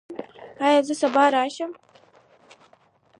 ایا زه سبا راشم؟